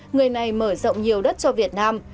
người này mở rộng nhiều đất cho việt nam